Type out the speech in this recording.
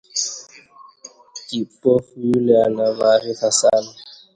Kipofu yule ana maarifa sana